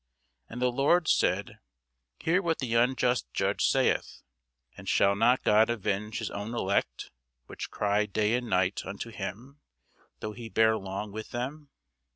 And the Lord said, Hear what the unjust judge saith. And shall not God avenge his own elect, which cry day and night unto him, though he bear long with them?